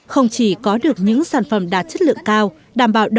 không chỉ có được những sản phẩm đạt chất lượng cao